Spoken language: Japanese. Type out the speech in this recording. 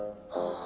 ああ。